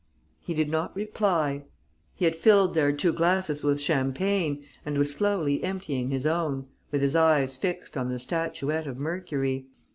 He did not reply. He had filled their two glasses with champagne and was slowly emptying his own, with his eyes fixed on the statuette of Mercury.